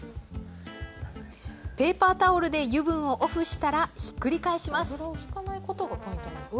ペーパータオルで油分をオフしたらひっくり返します。